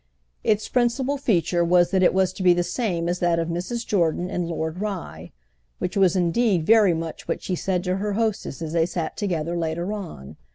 Its principal feature was that it was to be the same as that of Mrs. Jordan and Lord Rye; which was indeed very much what she said to her hostess as they sat together later on.